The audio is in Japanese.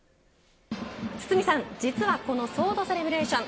堤さん、実はこのソードセレブレーション